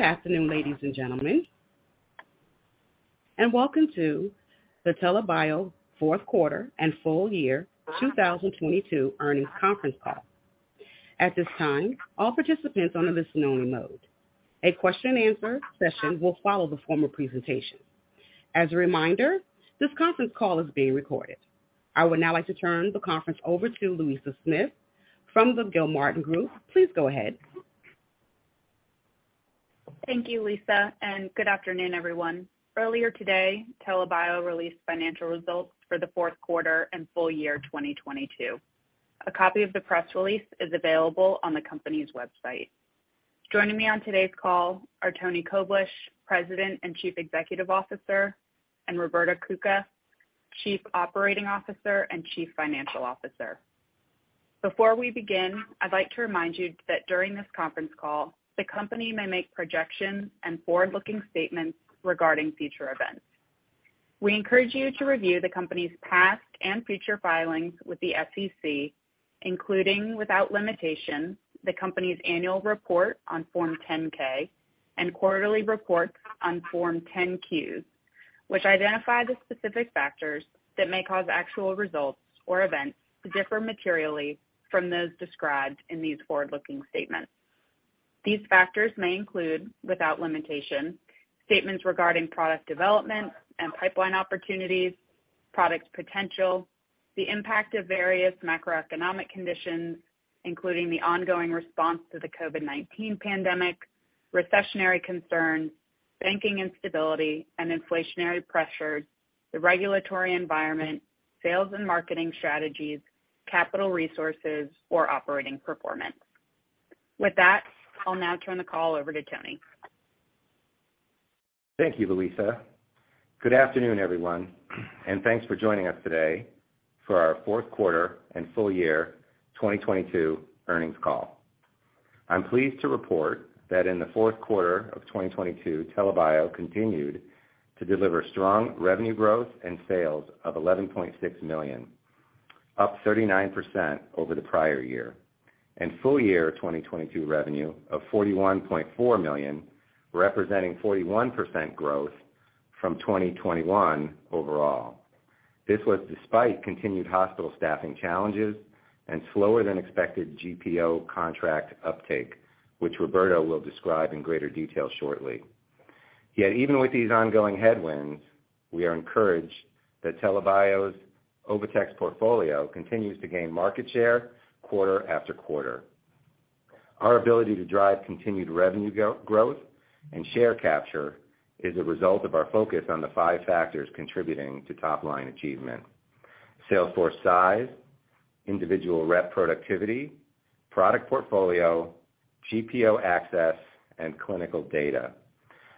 Good afternoon, ladies and gentlemen, welcome to the TELA Bio fourth quarter and full year 2022 earnings conference call. At this time, all participants on the listen only mode. A question and answer session will follow the formal presentation. As a reminder, this conference call is being recorded. I would now like to turn the conference over to Louisa Smith from the Gilmartin Group. Please go ahead. Thank you, Lisa. Good afternoon, everyone. Earlier today, TELA Bio released financial results for the fourth quarter and full year 2022. A copy of the press release is available on the company's website. Joining me on today's call are Antony Koblish, President and Chief Executive Officer, and Roberto Cuca, Chief Operating Officer and Chief Financial Officer. Before we begin, I'd like to remind you that during this conference call, the company may make projections and forward-looking statements regarding future events. We encourage you to review the company's past and future filings with the SEC, including, without limitation, the company's annual report on Form 10-K and quarterly reports on Form 10-Q, which identify the specific factors that may cause actual results or events to differ materially from those described in these forward-looking statements. These factors may include, without limitation, statements regarding product development and pipeline opportunities, product potential, the impact of various macroeconomic conditions, including the ongoing response to the COVID-19 pandemic, recessionary concerns, banking instability and inflationary pressures, the regulatory environment, sales and marketing strategies, capital resources or operating performance. With that, I'll now turn the call over to Tony. Thank you, Louisa. Good afternoon, everyone, thanks for joining us today for our fourth quarter and full year 2022 earnings call. I'm pleased to report that in the fourth quarter of 2022, TELA Bio continued to deliver strong revenue growth and sales of $11.6 million, up 39% over the prior year, and full year 2022 revenue of $41.4 million, representing 41% growth from 2021 overall. This was despite continued hospital staffing challenges and slower than expected GPO contract uptake, which Roberto will describe in greater detail shortly. Even with these ongoing headwinds, we are encouraged that TELA Bio's OviTex portfolio continues to gain market share quarter after quarter. Our ability to drive continued revenue go-growth and share capture is a result of our focus on the five factors contributing to top line achievement: sales force size, individual rep productivity, product portfolio, GPO access, and clinical data.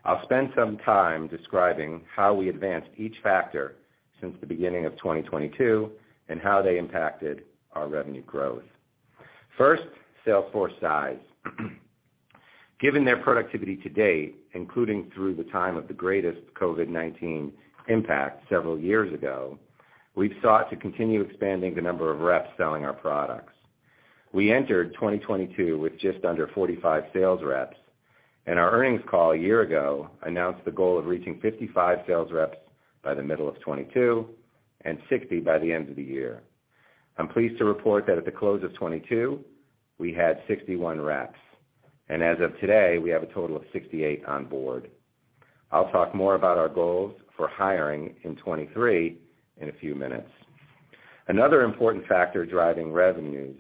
I'll spend some time describing how we advanced each factor since the beginning of 2022 and how they impacted our revenue growth. First, sales force size. Given their productivity to date, including through the time of the greatest COVID-19 impact several years ago, we've sought to continue expanding the number of reps selling our products. We entered 2022 with just under 45 sales reps, and our earnings call a year ago announced the goal of reaching 55 sales reps by the middle of 2022 and 60 by the end of the year. I'm pleased to report that at the close of 2022, we had 61 reps, and as of today, we have a total of 68 on board. I'll talk more about our goals for hiring in 2023 in a few minutes. Another important factor driving revenues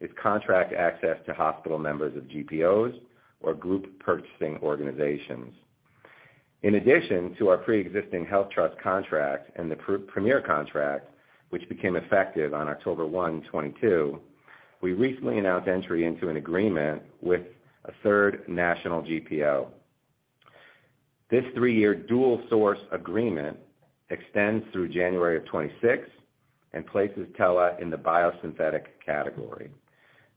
is contract access to hospital members of GPOs or group purchasing organizations. In addition to our pre-existing HealthTrust contract and the Premier contract, which became effective on October 1, 2022, we recently announced entry into an agreement with a third national GPO. This three-year dual source agreement extends through January of 2026 and places TELA in the biosynthetic category.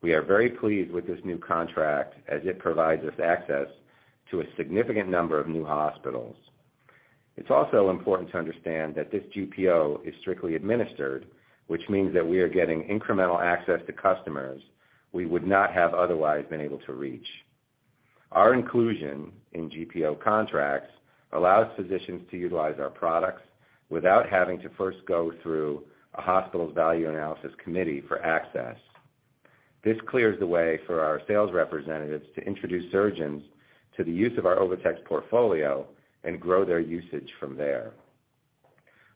We are very pleased with this new contract as it provides us access to a significant number of new hospitals. It's also important to understand that this GPO is strictly administered, which means that we are getting incremental access to customers we would not have otherwise been able to reach. Our inclusion in GPO contracts allows physicians to utilize our products without having to first go through a hospital's value analysis committee for access. This clears the way for our sales representatives to introduce surgeons to the use of our OviTex portfolio and grow their usage from there.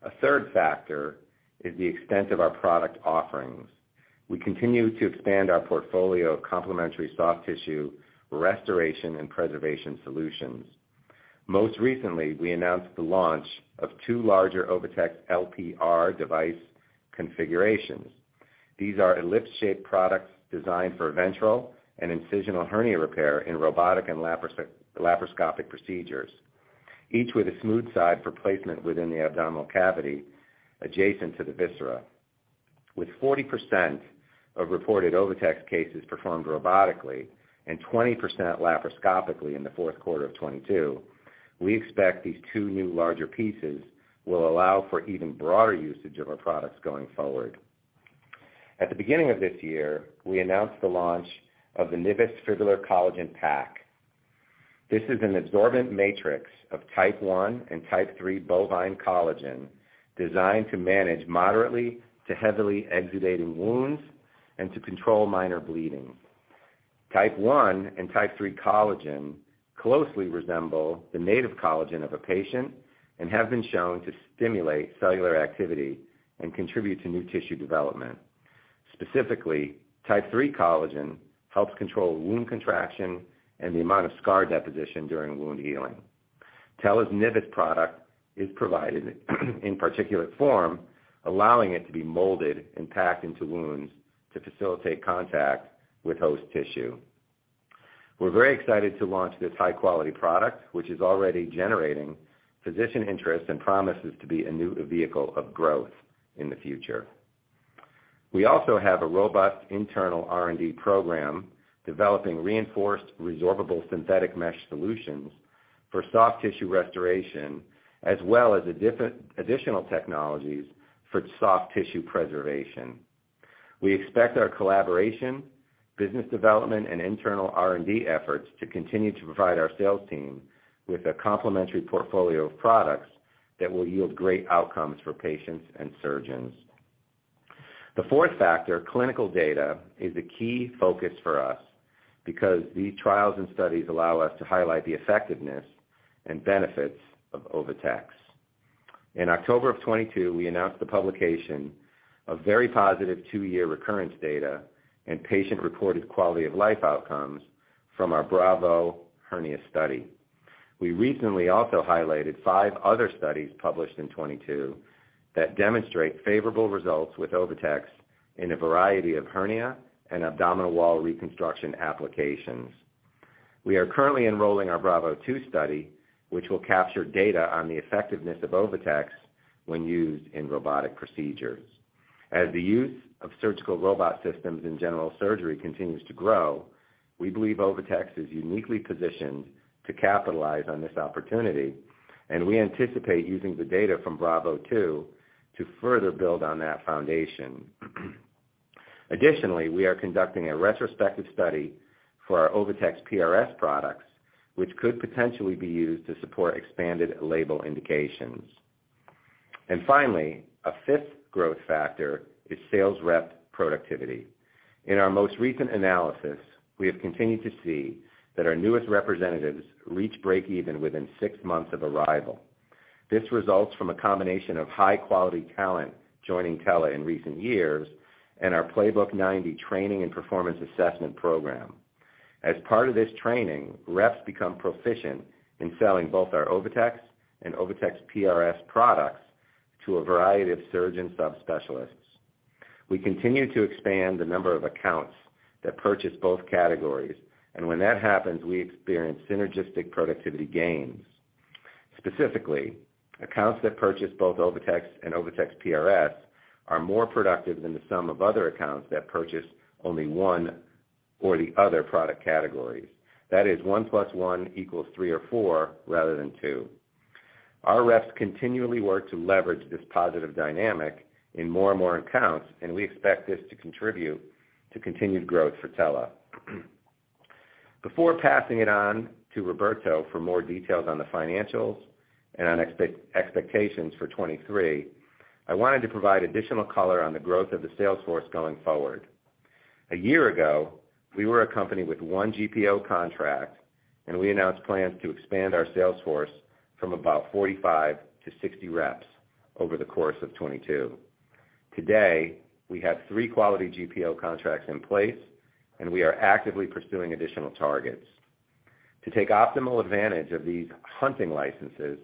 A third factor is the extent of our product offerings. We continue to expand our portfolio of complementary soft tissue restoration and preservation solutions. Most recently, we announced the launch of two larger OviTex LPR device configurations. These are ellipse-shaped products designed for ventral and incisional hernia repair in robotic and laparoscopic procedures, each with a smooth side for placement within the abdominal cavity adjacent to the viscera. With 40% of reported OviTex cases performed robotically and 20% laparoscopically in the fourth quarter of 2022, we expect these two new larger pieces will allow for even broader usage of our products going forward. At the beginning of this year, we announced the launch of the NIVIS Fibrillar Collagen Pack. This is an absorbent matrix of Type I and Type III bovine collagen designed to manage moderately to heavily exudating wounds and to control minor bleeding. Type I and Type III collagen closely resemble the native collagen of a patient and have been shown to stimulate cellular activity and contribute to new tissue development. Specifically, Type III collagen helps control wound contraction and the amount of scar deposition during wound healing. TELA's NIVIS product is provided in particulate form, allowing it to be molded and packed into wounds to facilitate contact with host tissue. We're very excited to launch this high-quality product, which is already generating physician interest and promises to be a new vehicle of growth in the future. We also have a robust internal R&D program developing reinforced resorbable synthetic mesh solutions for soft tissue restoration, as well as additional technologies for soft tissue preservation. We expect our collaboration, business development, and internal R&D efforts to continue to provide our sales team with a complementary portfolio of products that will yield great outcomes for patients and surgeons. The fourth factor, clinical data, is a key focus for us because these trials and studies allow us to highlight the effectiveness and benefits of OviTex. In October of 2022, we announced the publication of very positive two-year recurrence data and patient-reported quality of life outcomes from our BRAVO hernia study. We recently also highlighted 5 other studies published in 2022 that demonstrate favorable results with OviTex in a variety of hernia and abdominal wall reconstruction applications. We are currently enrolling our BRAVO II study, which will capture data on the effectiveness of OviTex when used in robotic procedures. As the use of surgical robot systems in general surgery continues to grow, we believe OviTex is uniquely positioned to capitalize on this opportunity, and we anticipate using the data from BRAVO II to further build on that foundation. Additionally, we are conducting a retrospective study for our OviTex PRS products, which could potentially be used to support expanded label indications. Finally, a fifth growth factor is sales rep productivity. In our most recent analysis, we have continued to see that our newest representatives reach break even within six months of arrival. This results from a combination of high-quality talent joining TELA in recent years and our Playbook90 training and performance assessment program. As part of this training, reps become proficient in selling both our OviTex and OviTex PRS products to a variety of surgeon subspecialists. We continue to expand the number of accounts that purchase both categories, and when that happens, we experience synergistic productivity gains. Specifically, accounts that purchase both OviTex and OviTex PRS are more productive than the sum of other accounts that purchase only one or the other product categories. That is one plus one equals three or four rather than two. Our reps continually work to leverage this positive dynamic in more and more accounts, and we expect this to contribute to continued growth for TELA. Before passing it on to Roberto Cuca for more details on the financials and on expectations for 2023, I wanted to provide additional color on the growth of the sales force going forward. A year ago, we were a company with one GPO contract, and we announced plans to expand our sales force from about 45-60 reps over the course of 2022. Today, we have three quality GPO contracts in place, and we are actively pursuing additional targets. To take optimal advantage of these hunting licenses,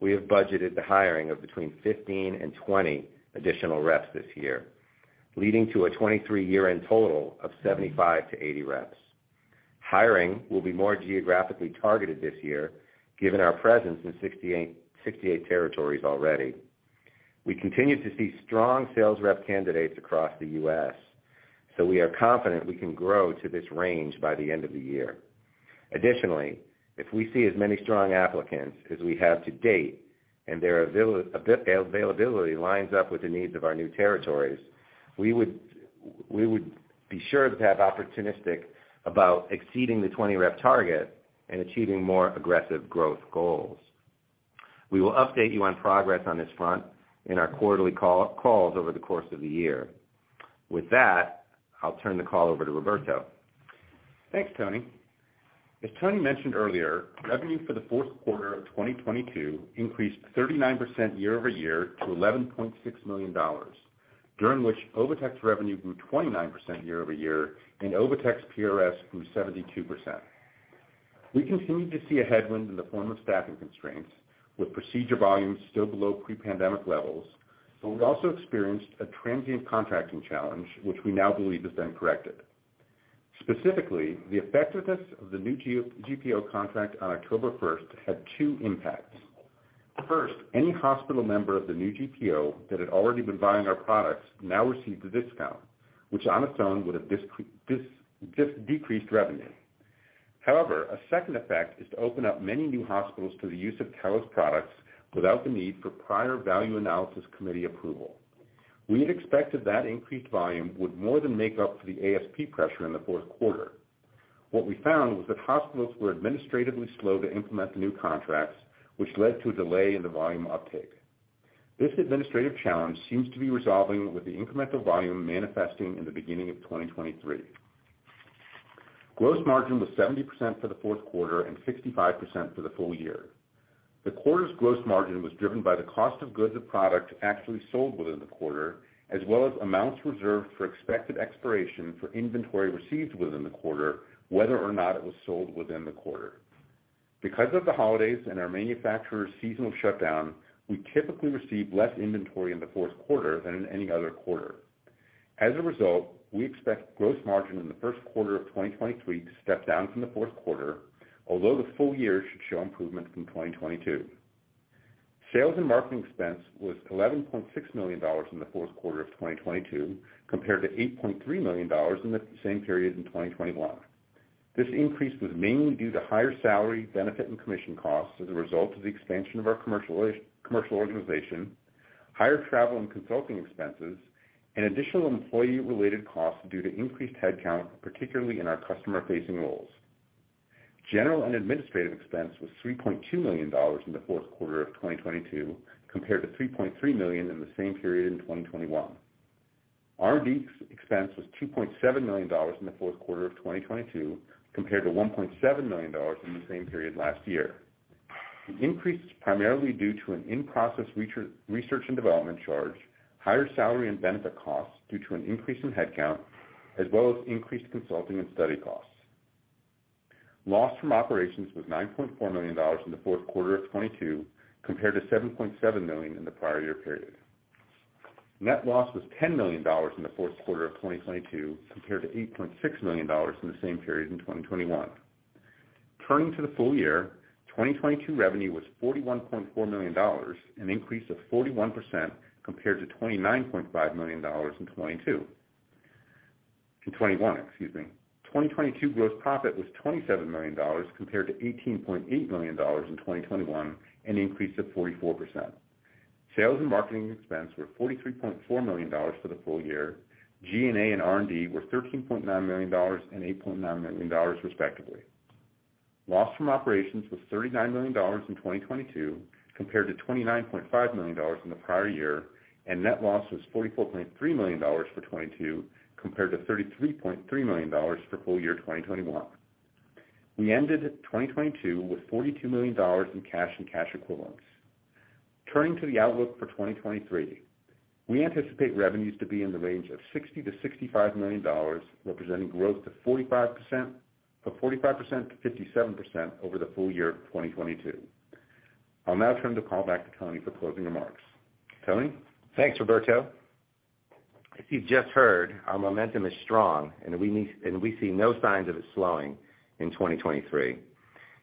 we have budgeted the hiring of between 15 and 20 additional reps this year, leading to a 2023 year-end total of 75-80 reps. Hiring will be more geographically targeted this year, given our presence in 68 territories already. We continue to see strong sales rep candidates across the U.S., so we are confident we can grow to this range by the end of the year. Additionally, if we see as many strong applicants as we have to date and their availability lines up with the needs of our new territories, we would be sure to have opportunistic about exceeding the 20 rep target and achieving more aggressive growth goals. We will update you on progress on this front in our quarterly calls over the course of the year. With that, I'll turn the call over to Roberto. Thanks, Tony. As Tony mentioned earlier, revenue for the fourth quarter of 2022 increased 39% year-over-year to $11.6 million, during which OviTex revenue grew 29% year-over-year and OviTex PRS grew 72%. We continued to see a headwind in the form of staffing constraints with procedure volumes still below pre-pandemic levels, but we also experienced a transient contracting challenge which we now believe has been corrected. Specifically, the effectiveness of the new GPO contract on October first had two impacts. First, any hospital member of the new GPO that had already been buying our products now received a discount, which on its own would have just decreased revenue. However, a second effect is to open up many new hospitals to the use of TELA products without the need for prior value analysis committee approval. We had expected that increased volume would more than make up for the ASP pressure in the fourth quarter. What we found was that hospitals were administratively slow to implement the new contracts, which led to a delay in the volume uptake. This administrative challenge seems to be resolving with the incremental volume manifesting in the beginning of 2023. Gross margin was 70% for the fourth quarter and 65% for the full year. The quarter's gross margin was driven by the cost of goods of product actually sold within the quarter, as well as amounts reserved for expected expiration for inventory received within the quarter, whether or not it was sold within the quarter. Because of the holidays and our manufacturer's seasonal shutdown, we typically receive less inventory in the fourth quarter than in any other quarter. We expect gross margin in the first quarter of 2023 to step down from the fourth quarter, although the full year should show improvement from 2022. Sales and marketing expense was $11.6 million in the fourth quarter of 2022, compared to $8.3 million in the same period in 2021. This increase was mainly due to higher salary, benefit, and commission costs as a result of the expansion of our commercial organization, higher travel and consulting expenses, and additional employee-related costs due to increased headcount, particularly in our customer-facing roles. General and administrative expense was $3.2 million in the fourth quarter of 2022, compared to $3.3 million in the same period in 2021. R&D expense was $2.7 million in the fourth quarter of 2022, compared to $1.7 million in the same period last year. The increase is primarily due to an in-process research and development charge, higher salary and benefit costs due to an increase in headcount, as well as increased consulting and study costs. Loss from operations was $9.4 million in the fourth quarter of 2022, compared to $7.7 million in the prior year period. Net loss was $10 million in the fourth quarter of 2022, compared to $8.6 million in the same period in 2021. Turning to the full year, 2022 revenue was $41.4 million, an increase of 41% compared to $29.5 million in 2021, excuse me. 2022 gross profit was $27 million compared to $18.8 million in 2021, an increase of 44%. Sales and marketing expense were $43.4 million for the full year. G&A and R&D were $13.9 million and $8.9 million, respectively. Loss from operations was $39 million in 2022 compared to $29.5 million in the prior year. Net loss was $44.3 million for 2022 compared to $33.3 million for full year 2021. We ended 2022 with $42 million in cash and cash equivalents. Turning to the outlook for 2023. We anticipate revenues to be in the range of $60 million-$65 million, representing growth of 45%-57% over the full year of 2022. I'll now turn the call back to Tony for closing remarks. Tony? Thanks, Roberto. As you've just heard, our momentum is strong, we see no signs of it slowing in 2023.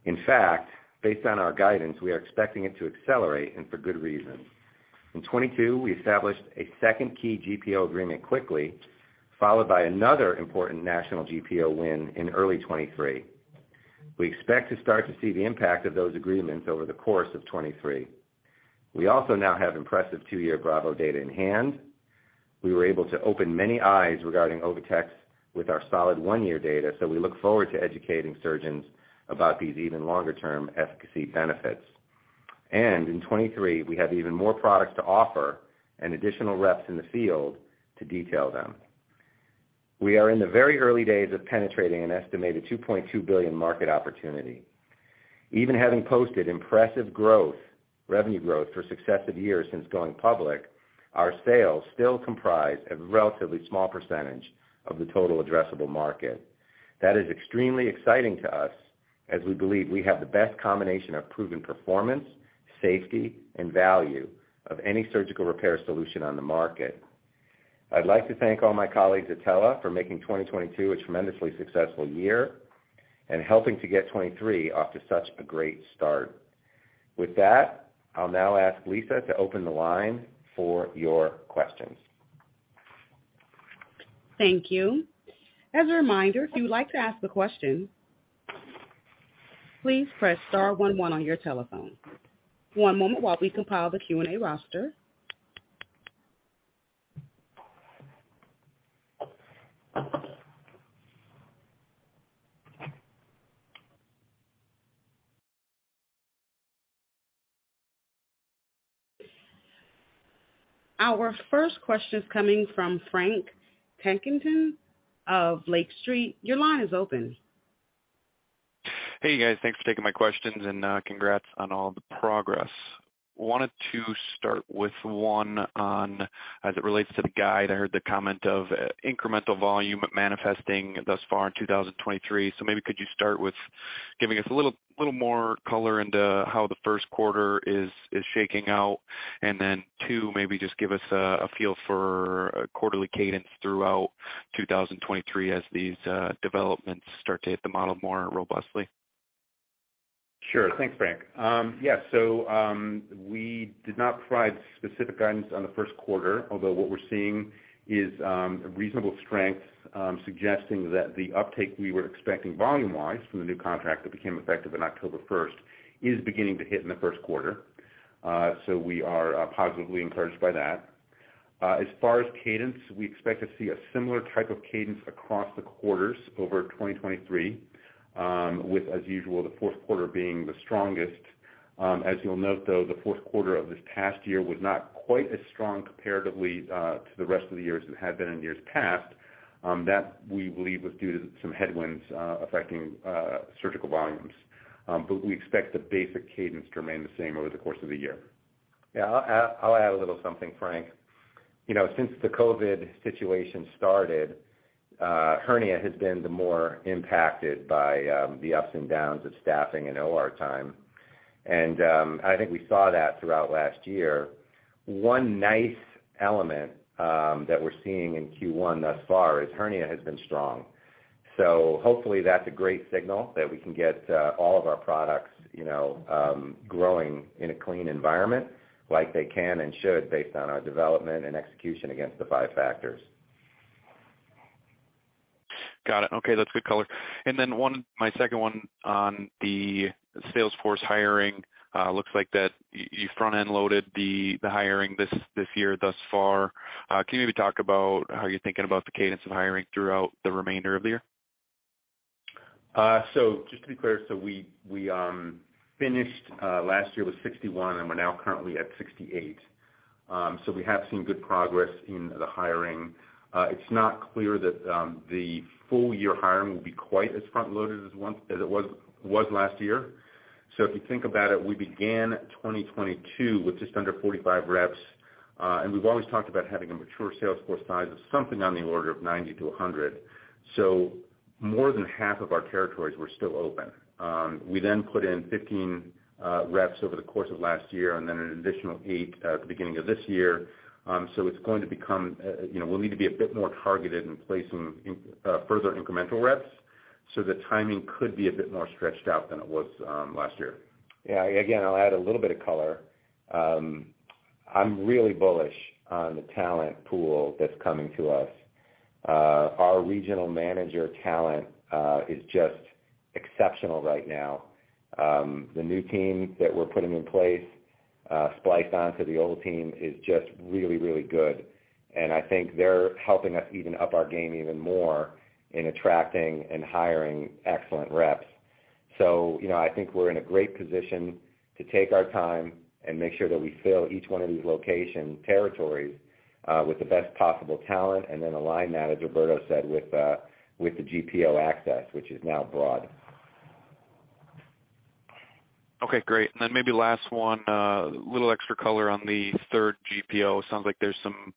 In fact, based on our guidance, we are expecting it to accelerate and for good reason. In 2022, we established a second key GPO agreement quickly, followed by another important national GPO win in early 2023. We expect to start to see the impact of those agreements over the course of 2023. We also now have impressive two-year BRAVO data in hand. We were able to open many eyes regarding OviTex with our solid one-year data, so we look forward to educating surgeons about these even longer-term efficacy benefits. In 2023, we have even more products to offer and additional reps in the field to detail them. We are in the very early days of penetrating an estimated $2.2 billion market opportunity. Even having posted impressive growth, revenue growth for successive years since going public, our sales still comprise a relatively small percentage of the total addressable market. That is extremely exciting to us, as we believe we have the best combination of proven performance, safety, and value of any surgical repair solution on the market. I'd like to thank all my colleagues at TELA for making 2022 a tremendously successful year and helping to get 2023 off to such a great start. With that, I'll now ask Lisa to open the line for your questions. Thank you. As a reminder, if you would like to ask a question, please press star one one on your telephone. One moment while we compile the Q&A roster. Our first question is coming from Frank Takkinen of Lake Street. Your line is open. Hey, guys. Thanks for taking my questions. Congrats on all the progress. Wanted to start with one on as it relates to the guide. I heard the comment of incremental volume manifesting thus far in 2023. Maybe could you start with giving us a little more color into how the first quarter is shaking out? Two, maybe just give us a feel for a quarterly cadence throughout 2023 as these developments start to hit the model more robustly. Sure. Thanks, Frank. We did not provide specific guidance on the first quarter, although what we're seeing is a reasonable strength, suggesting that the uptake we were expecting volume-wise from the new contract that became effective on October first is beginning to hit in the first quarter. We are positively encouraged by that. As far as cadence, we expect to see a similar type of cadence across the quarters over 2023, with, as usual, the fourth quarter being the strongest. As you'll note, though, the fourth quarter of this past year was not quite as strong comparatively to the rest of the years it had been in years past. That, we believe, was due to some headwinds, affecting surgical volumes. We expect the basic cadence to remain the same over the course of the year. Yeah. I'll add a little something, Frank. You know, since the COVID situation started, hernia has been the more impacted by the ups and downs of staffing and OR time. I think we saw that throughout last year. One nice element that we're seeing in Q1 thus far is hernia has been strong. Hopefully, that's a great signal that we can get all of our products, you know, growing in a clean environment like they can and should based on our development and execution against the five factors. Got it. Okay, that's good color. My second one on the sales force hiring. Looks like that you front-end loaded the hiring this year thus far. Can you maybe talk about how you're thinking about the cadence of hiring throughout the remainder of the year? Just to be clear, we finished last year with 61, and we're now currently at 68. We have seen good progress in the hiring. It's not clear that the full-year hiring will be quite as front-loaded as it was last year. If you think about it, we began 2022 with just under 45 reps, and we've always talked about having a mature sales force size of something on the order of 90-100. More than half of our territories were still open. We put in 15 reps over the course of last year and an additional eight at the beginning of this year. It's going to become, you know, we'll need to be a bit more targeted in placing further incremental reps. The timing could be a bit more stretched out than it was, last year. Again, I'll add a little bit of color. I'm really bullish on the talent pool that's coming to us. Our regional manager talent is just exceptional right now. The new team that we're putting in place, spliced on to the old team is just really, really good. I think they're helping us even up our game even more in attracting and hiring excellent reps. You know, I think we're in a great position to take our time and make sure that we fill each one of these location territories with the best possible talent and then align that, as Roberto said, with the GPO access, which is now broad. Okay, great. Maybe last one. A little extra color on the third GPO. Sounds like there's some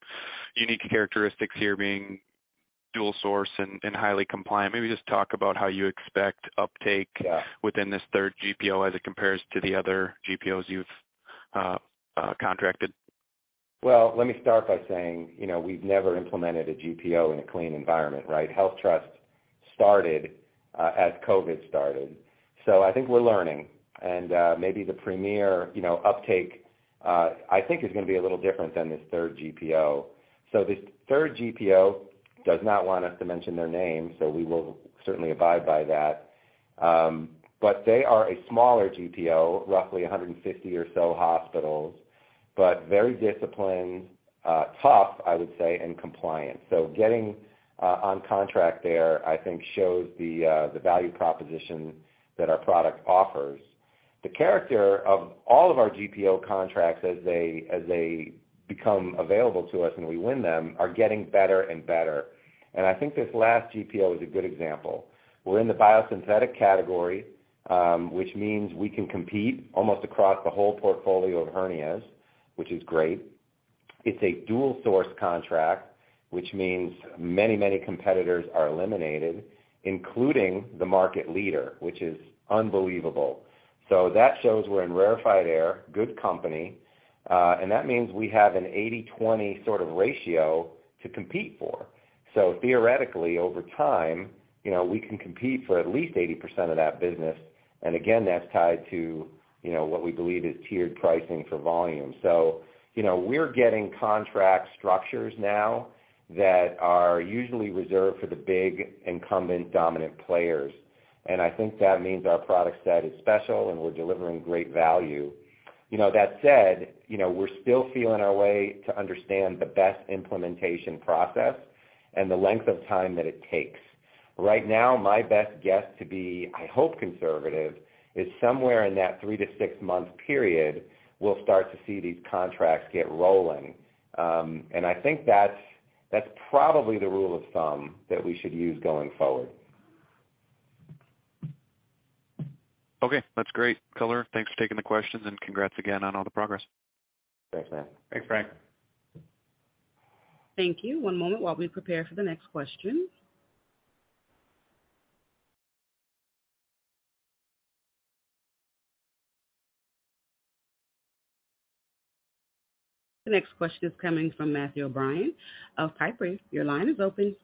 unique characteristics here being dual source and highly compliant. Maybe just talk about how you expect uptake... Yeah. Within this third GPO as it compares to the other GPOs you've contracted. Well, let me start by saying, you know, we've never implemented a GPO in a clean environment, right? HealthTrust started as COVID started. I think we're learning. Maybe the Premier, you know, uptake, I think is gonna be a little different than this third GPO. This third GPO does not want us to mention their name, so we will certainly abide by that. But they are a smaller GPO, roughly 150 or so hospitals, but very disciplined, tough, I would say, and compliant. Getting on contract there, I think, shows the value proposition that our product offers. The character of all of our GPO contracts as they, as they become available to us and we win them, are getting better and better. I think this last GPO is a good example. We're in the biosynthetic category, which means we can compete almost across the whole portfolio of hernias, which is great. It's a dual source contract, which means many competitors are eliminated, including the market leader, which is unbelievable. That shows we're in rarefied air, good company, and that means we have an 80/20 sort of ratio to compete for. Theoretically, over time, you know, we can compete for at least 80% of that business, and again, that's tied to, you know, what we believe is tiered pricing for volume. You know, we're getting contract structures now that are usually reserved for the big incumbent dominant players. I think that means our product set is special, and we're delivering great value. You know, that said, you know, we're still feeling our way to understand the best implementation process and the length of time that it takes. Right now, my best guess to be, I hope, conservative, is somewhere in that three to six-month period, we'll start to see these contracts get rolling. I think that's probably the rule of thumb that we should use going forward. Okay. That's great color. Thanks for taking the questions, and congrats again on all the progress. Thanks, Frank. Thanks, Frank. Thank you. One moment while we prepare for the next question. The next question is coming from Matthew O'Brien of Piper. Your line is open.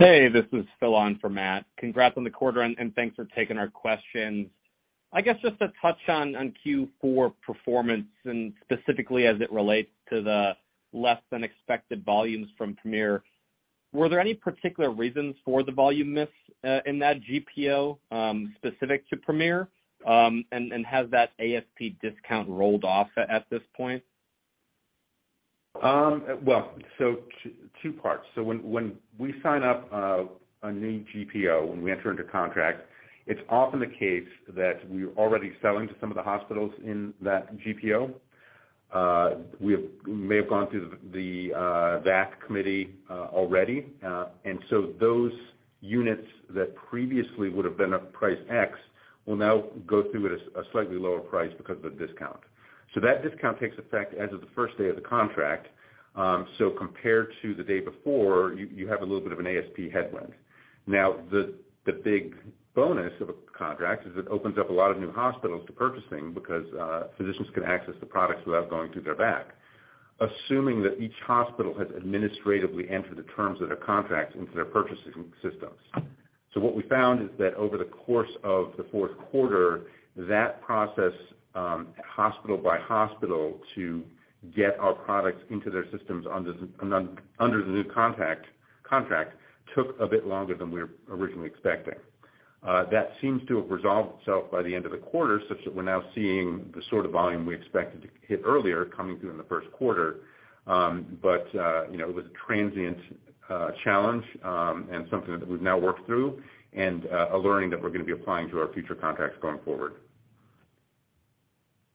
Hey, this is Phil on for Matt. Congrats on the quarter, and thanks for taking our questions. I guess just to touch on Q4 performance and specifically as it relates to the less than expected volumes from Premier. Were there any particular reasons for the volume miss in that GPO specific to Premier? Has that ASP discount rolled off at this point? Well, two parts. When we sign up a new GPO, when we enter into contract, it's often the case that we're already selling to some of the hospitals in that GPO. We may have gone through the that committee already. Those units that previously would have been a price X will now go through at a slightly lower price because of the discount. That discount takes effect as of the first day of the contract. Compared to the day before, you have a little bit of an ASP headwind. The big bonus of a contract is it opens up a lot of new hospitals to purchasing because physicians can access the products without going through their back, assuming that each hospital has administratively entered the terms of their contract into their purchasing systems. What we found is that over the course of the fourth quarter, that process, hospital by hospital to get our products into their systems under the new contract took a bit longer than we were originally expecting. That seems to have resolved itself by the end of the quarter, such that we're now seeing the sort of volume we expected to hit earlier coming through in the first quarter. You know, it was a transient challenge, and something that we've now worked through and a learning that we're gonna be applying to our future contracts going forward.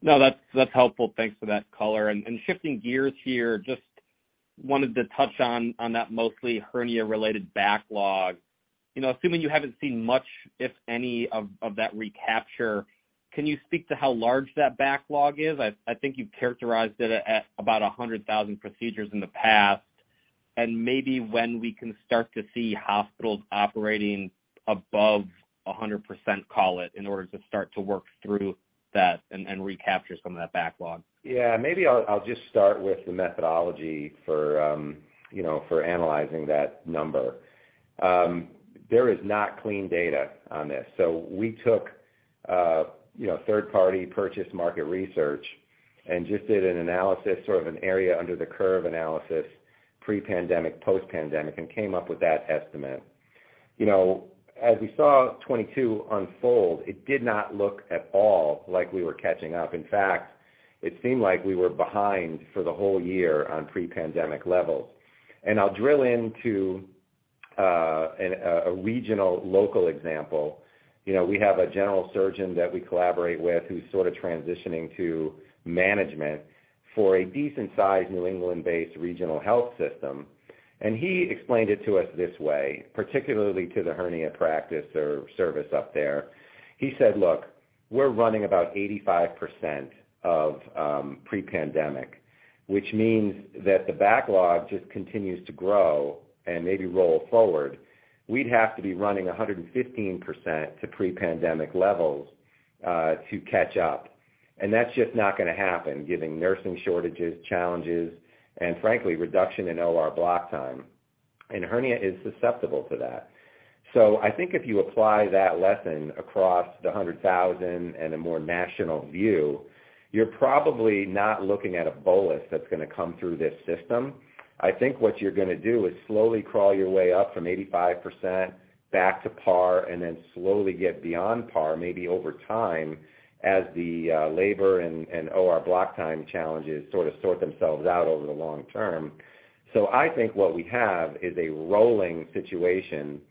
No, that's helpful. Thanks for that color. Shifting gears here, just wanted to touch on that mostly hernia-related backlog. You know, assuming you haven't seen much, if any of that recapture, can you speak to how large that backlog is? I think you characterized it at about 100,000 procedures in the past. Maybe when we can start to see hospitals operating above 100% call it in order to start to work through that and recapture some of that backlog. Yeah. Maybe I'll just start with the methodology for, you know, for analyzing that number. There is not clean data on this. We took, you know, third party purchase market research and just did an analysis, sort of an area under the curve analysis, pre-pandemic, post-pandemic, and came up with that estimate. You know, as we saw 22 unfold, it did not look at all like we were catching up. In fact, it seemed like we were behind for the whole year on pre-pandemic levels. I'll drill into a regional local example. You know, we have a general surgeon that we collaborate with who's sort of transitioning to management for a decent sized New England-based regional health system. He explained it to us this way, particularly to the hernia practice or service up there. He said, "Look, we're running about 85% of pre-pandemic, which means that the backlog just continues to grow and maybe roll forward. We'd have to be running 115% to pre-pandemic levels to catch up. That's just not gonna happen given nursing shortages, challenges, and frankly, reduction in OR block time." Hernia is susceptible to that. I think if you apply that lesson across the 100,000 and a more national view, you're probably not looking at a bolus that's gonna come through this system. I think what you're gonna do is slowly crawl your way up from 85% back to par and then slowly get beyond par, maybe over time, as the labor and OR block time challenges sort of sort themselves out over the long term. I think what we have is a rolling situation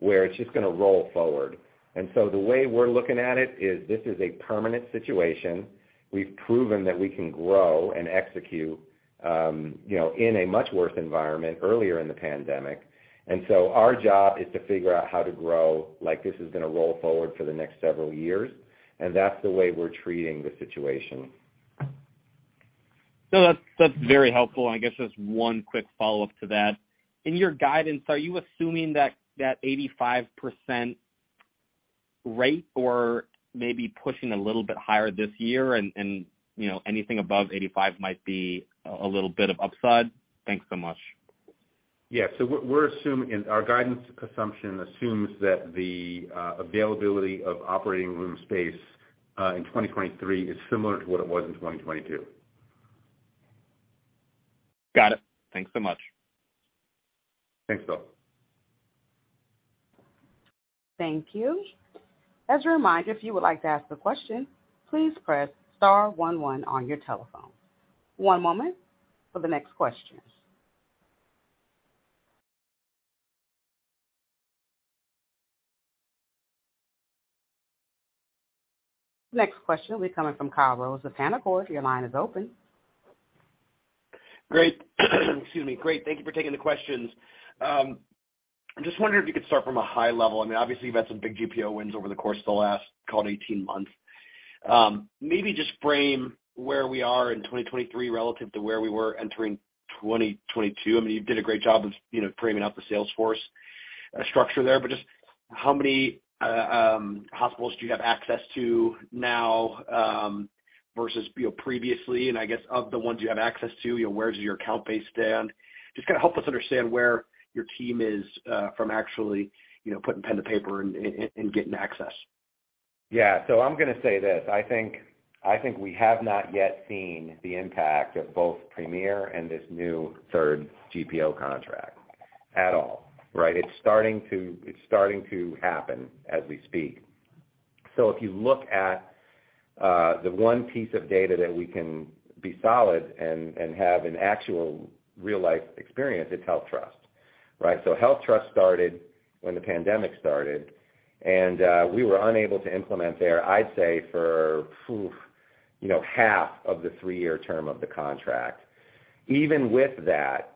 where it's just gonna roll forward. The way we're looking at it is this is a permanent situation. We've proven that we can grow and execute, you know, in a much worse environment earlier in the pandemic. Our job is to figure out how to grow like this is gonna roll forward for the next several years, and that's the way we're treating the situation. No, that's very helpful. I guess just one quick follow-up to that. In your guidance, are you assuming that that 85% rate or maybe pushing a little bit higher this year and, you know, anything above 85% might be a little bit of upside? Thanks so much. Yeah. We're assuming our guidance assumption assumes that the availability of operating room space in 2023 is similar to what it was in 2022. Got it. Thanks so much. Thanks, Phil. Thank you. As a reminder, if you would like to ask a question, please press star one one on your telephone. One moment for the next question. The next question will be coming from Kyle Rose of Canaccord. Your line is open. Great. Excuse me. Great. Thank you for taking the questions. I'm just wondering if you could start from a high level. I mean, obviously you've had some big GPO wins over the course of the last, call it 18 months. Maybe just frame where we are in 2023 relative to where we were entering 2022. I mean, you did a great job of, you know, framing out the sales force structure there, but just How many hospitals do you have access to now versus, you know, previously? I guess of the ones you have access to, you know, where does your count base stand? Just kinda help us understand where your team is from actually, you know, putting pen to paper and getting access. Yeah. I'm gonna say this. I think we have not yet seen the impact of both Premier and this new third GPO contract at all, right? It's starting to happen as we speak. If you look at the one piece of data that we can be solid and have an actual real-life experience, it's HealthTrust, right? HealthTrust started when the pandemic started, and we were unable to implement there, I'd say, for, you know, half of the three-year term of the contract. Even with that,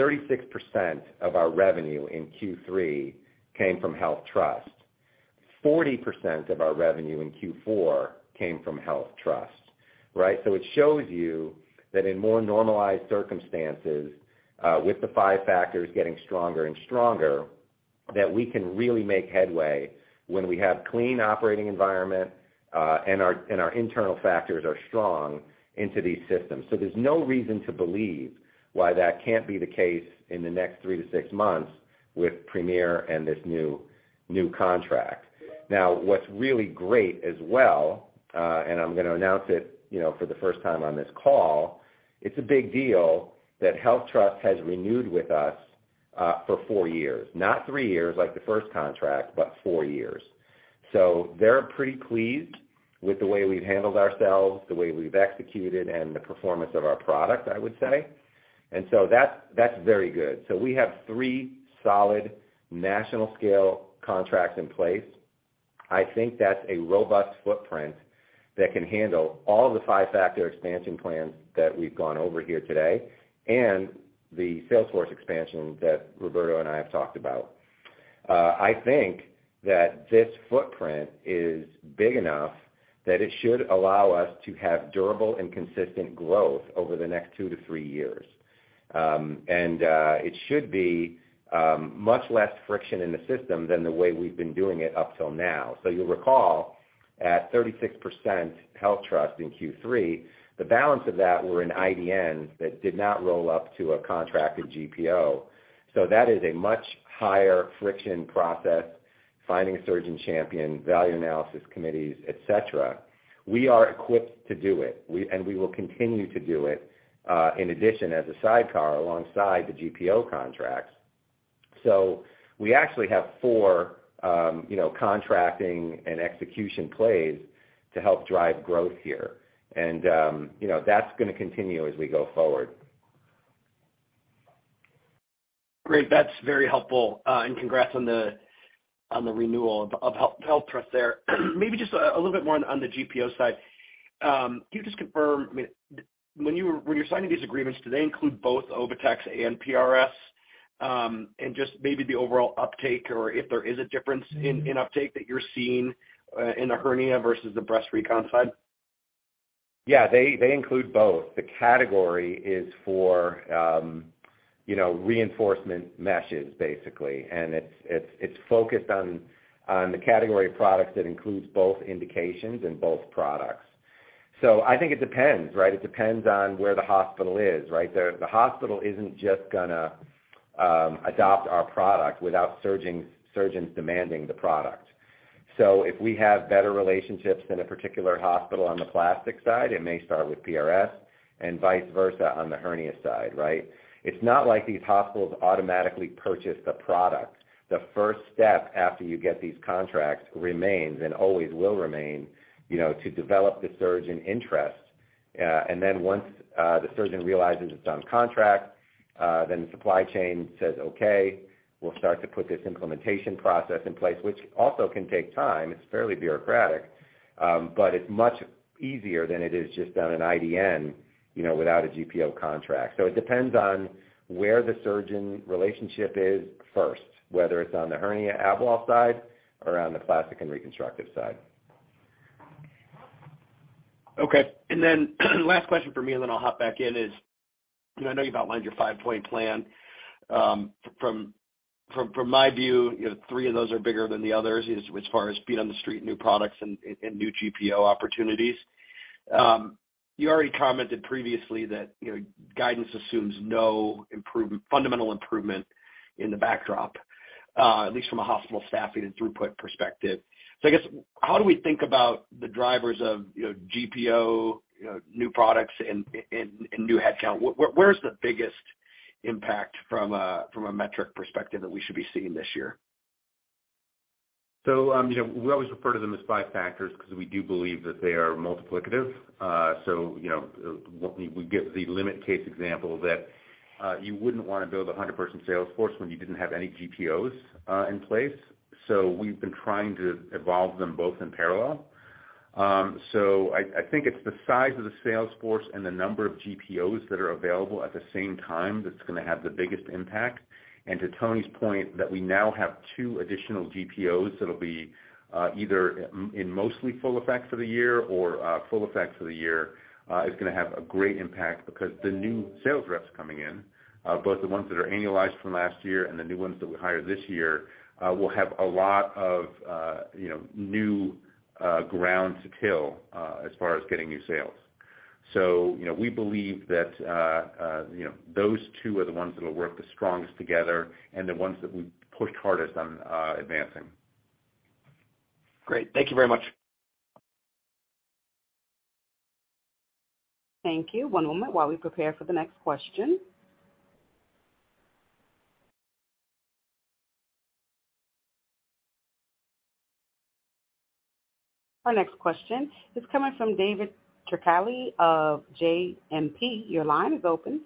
36% of our revenue in Q3 came from HealthTrust. 40% of our revenue in Q4 came from HealthTrust, right? It shows you that in more normalized circumstances, with the five factors getting stronger and stronger, that we can really make headway when we have clean operating environment, and our internal factors are strong into these systems. There's no reason to believe why that can't be the case in the next three to six months with Premier and this new contract. What's really great as well, and I'm gonna announce it, you know, for the first time on this call, it's a big deal that HealthTrust has renewed with us for four years. Not three years like the first contract, but four years. They're pretty pleased with the way we've handled ourselves, the way we've executed, and the performance of our product, I would say. That's, that's very good. We have three solid national scale contracts in place. I think that's a robust footprint that can handle all the five-factor expansion plans that we've gone over here today and the sales force expansion that Roberto and I have talked about. I think that this footprint is big enough that it should allow us to have durable and consistent growth over the next two to three years. And it should be much less friction in the system than the way we've been doing it up till now. You'll recall at 36% HealthTrust in Q3, the balance of that were in IDNs that did not roll up to a contracted GPO. That is a much higher friction process, finding a surgeon champion, value analysis committees, et cetera. We are equipped to do it. We will continue to do it, in addition as a sidecar alongside the GPO contracts. We actually have four, you know, contracting and execution plays to help drive growth here. You know, that's gonna continue as we go forward. Great. That's very helpful. Congrats on the renewal of HealthTrust there. Maybe just a little bit more on the GPO side. Can you just confirm when you're signing these agreements, do they include both OviTex and PRS? Just maybe the overall uptake or if there is a difference in uptake that you're seeing in the hernia versus the breast recon side. Yeah. They include both. The category is for, you know, reinforcement meshes basically. It's focused on the category of products that includes both indications and both products. I think it depends, right? It depends on where the hospital is, right? The hospital isn't just gonna adopt our product without surgeons demanding the product. If we have better relationships in a particular hospital on the plastic side, it may start with PRS, and vice versa on the hernia side, right? It's not like these hospitals automatically purchase the product. The first step after you get these contracts remains and always will remain, you know, to develop the surgeon interest. Once the surgeon realizes it's on contract, then the supply chain says, "Okay, we'll start to put this implementation process in place," which also can take time. It's fairly bureaucratic. It's much easier than it is just on an IDN, you know, without a GPO contract. It depends on where the surgeon relationship is first, whether it's on the hernia abdominal wall side or on the plastic and reconstructive side. Okay. Last question for me, then I'll hop back in, is, you know, I know you've outlined your five-point plan. From my view, you know, three of those are bigger than the others as far as being on the street, new products and new GPO opportunities. You already commented previously that, you know, guidance assumes no fundamental improvement in the backdrop, at least from a hospital staffing and throughput perspective. I guess, how do we think about the drivers of, you know, GPO, you know, new products and new headcount? Where, where is the biggest impact from a, from a metric perspective that we should be seeing this year? You know, we always refer to them as five factors because we do believe that they are multiplicative. You know, when we get the limit case example that you wouldn't wanna build a 100% sales force when you didn't have any GPOs in place. I think it's the size of the sales force and the number of GPOs that are available at the same time that's gonna have the biggest impact. To Tony's point that we now have two additional GPOs that'll be either mostly full effect for the year or full effect for the year, is gonna have a great impact because the new sales reps coming in, both the ones that are annualized from last year and the new ones that we hired this year, will have a lot of, you know, new ground to till as far as getting new sales. You know, we believe that, you know, those two are the ones that'll work the strongest together and the ones that we pushed hardest on advancing. Great. Thank you very much. Thank you. One moment while we prepare for the next question. Our next question is coming from David Turkaly of JMP. Your line is open.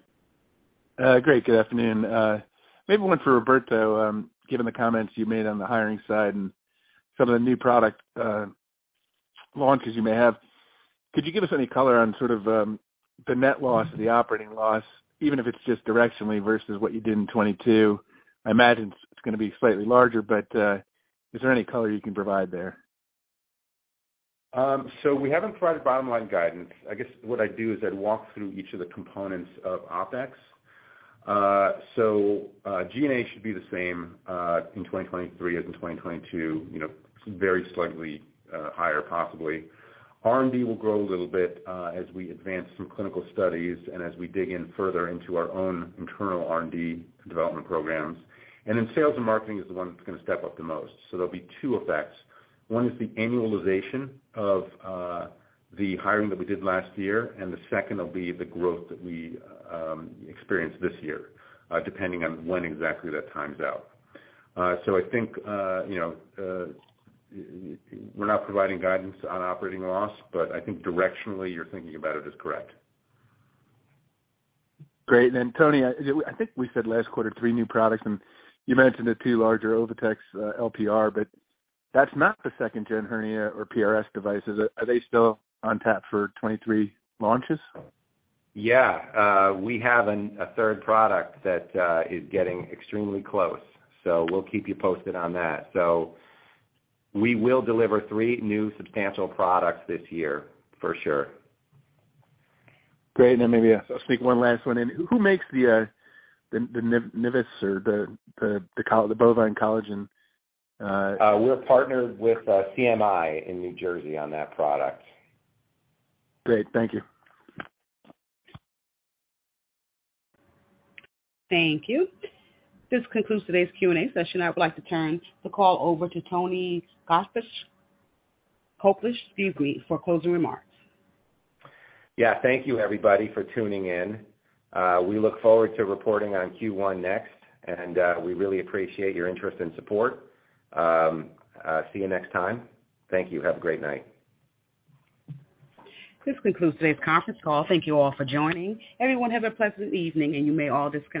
Great. Good afternoon. maybe one for Roberto, given the comments you made on the hiring side and some of the new product, launches you may have. Could you give us any color on sort of, the net loss or the operating loss, even if it's just directionally versus what you did in 22? I imagine it's gonna be slightly larger, but, is there any color you can provide there? We haven't provided bottom-line guidance. I guess what I'd do is I'd walk through each of the components of OpEx. G&A should be the same in 2023 as in 2022, you know, very slightly higher possibly. R&D will grow a little bit as we advance some clinical studies and as we dig in further into our own internal R&D development programs. Sales and marketing is the one that's gonna step up the most. There'll be two effects. One is the annualization of the hiring that we did last year, and the second will be the growth that we experience this year, depending on when exactly that times out. I think, you know, we're not providing guidance on operating loss, but I think directionally you're thinking about it is correct. Great. Tony, I think we said last quarter three new products, and you mentioned the two larger OviTex LPR, that's not the second-gen hernia or PRS devices. Are they still on tap for 2023 launches? Yeah. We have a third product that is getting extremely close. We'll keep you posted on that. We will deliver three new substantial products this year, for sure. Great. Maybe I'll sneak one last one in. Who makes the NIVIS or the bovine collagen? We're partnered with CMI in New Jersey on that product. Great. Thank you. Thank you. This concludes today's Q&A session. I would like to turn the call over to Tony Koblish, excuse me, for closing remarks. Yeah. Thank you, everybody, for tuning in. We look forward to reporting on Q1 next, and we really appreciate your interest and support. See you next time. Thank you. Have a great night. This concludes today's conference call. Thank you all for joining. Everyone, have a pleasant evening, and you may all disconnect.